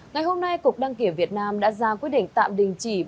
ngày hôm nay cục đăng kiểm việt nam đã ra quyết định tạm đình chỉ